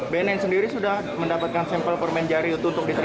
bnn sendiri sudah mendapatkan sampel permen jari untuk diterima